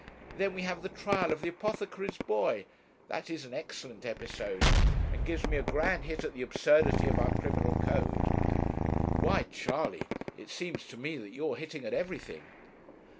Then we have the trial of the apothecary's boy; that is an excellent episode, and gives me a grand hit at the absurdity of our criminal code.' 'Why, Charley, it seems to me that you are hitting at everything.'